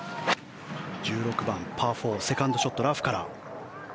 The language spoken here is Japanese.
１６番、パー４セカンドショット、ラフから。